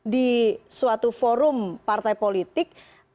di suatu forum partai politik